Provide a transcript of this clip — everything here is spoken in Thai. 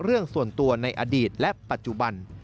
เรื่องส่วนตัวในอดีตและปัจจุบัน